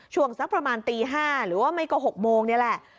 ช่วงสักประมาณตี๕หรือว่าไม่ก็๖โมงนี่แหละ